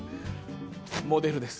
モデルです。